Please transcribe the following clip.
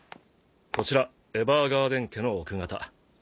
こちらエヴァーガーデン家の奥方。